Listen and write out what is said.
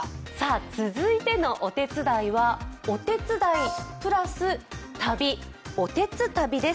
続いてのお手伝いは、お手伝いプラス旅、おてつたびです。